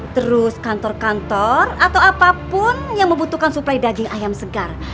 terus kantor kantor atau apapun yang membutuhkan suplai daging ayam segar